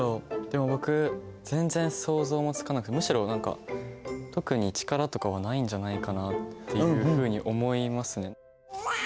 でも僕全然想像もつかなくてむしろ何か特に力とかはないんじゃないかなっていうふうに思いますね。